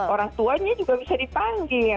orang tuanya juga bisa dipanggil